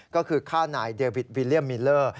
ก็คือฆ่านายเดวิทวิลเลี่ยมมิลเลอร์